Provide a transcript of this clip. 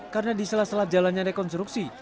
karena di salah salah jalannya rekonstruksi